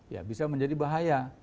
ya bisa menjadi bahaya